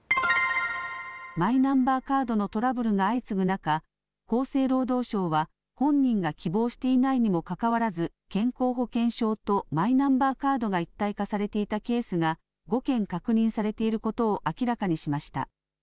マイナンバーカードのトラブルが相次ぐ中厚生労働省は本人が希望していないのにもかかわらず健康保険証とマイナンバーカードが一体化されていたケースが５件確認されていることを明らかにしました。